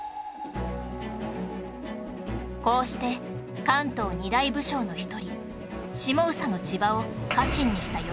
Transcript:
こうして関東２大武将の１人下総の千葉を家臣にした頼朝